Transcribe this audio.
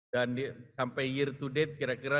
dan sampai year to date kira kira lima dua